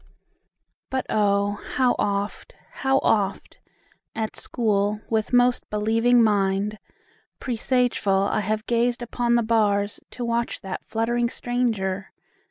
But O! how oft, How oft, at school, with most believing mind, Presageful, have I gazed upon the bars, To watch that fluttering stranger!